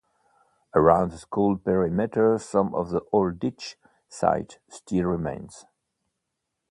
Around the school perimeter some of the old ditch site still remains.